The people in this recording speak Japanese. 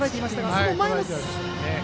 その前の。